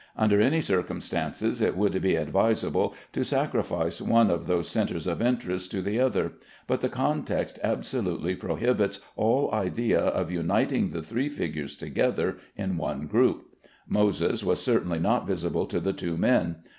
Under any circumstances, it would be advisable to sacrifice one of those centres of interest to the other; but the context absolutely prohibits all idea of uniting the three figures together in one group. Moses was certainly not visible to the two men.